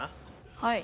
はい。